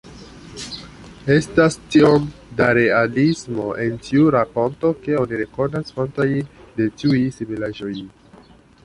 Estas tiom da realismo en tiu rakonto ke oni rekonas fontojn de tiuj similaĵoj.